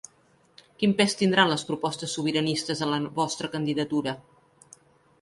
Quin pes tindran les propostes sobiranistes en la vostra candidatura?